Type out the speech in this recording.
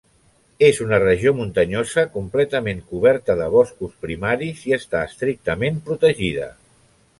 És una regió muntanyosa completament coberta de boscos primaris, i està estrictament protegida.